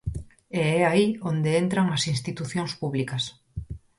E é aí onde entran as institucións públicas.